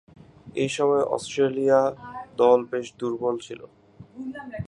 ঐ সময়ে অস্ট্রেলিয়া দল বেশ দূর্বল ছিল।